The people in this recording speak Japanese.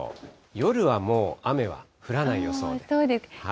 夜はもう雨は降らない予想です。